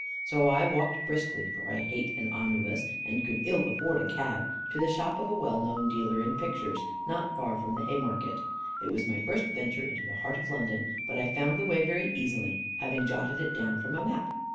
So I walked briskly for I hate an omnibus, and could ill afford a cab to the shop of a well known dealer in pictures, not far from the Haymarket. It was my first venture into the heart of London, but I found the way very easily, having jotted it down from a map.